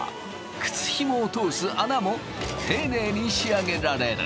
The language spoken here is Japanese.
靴ひもを通す穴も丁寧に仕上げられる。